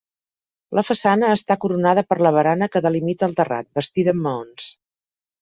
La façana està coronada per la barana que delimita el terrat, bastida amb maons.